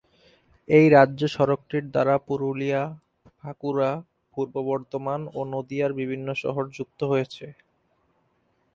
এই রাজ্য সড়কটির দ্বারা পুরুলিয়া, বাঁকুড়া, পূর্ব বর্ধমান ও নদিয়ার বিভিন্ন শহর যুক্ত হয়েছে।